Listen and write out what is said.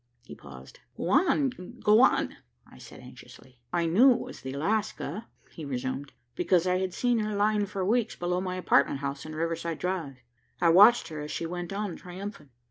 He paused. "Go on, go on," I said anxiously. "I knew it was the Alaska," he resumed, "because I had seen her lying for weeks below my apartment house in Riverside Drive. I watched her as she went on triumphant.